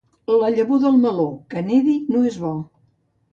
La llavor del meló, que nedi no és bo.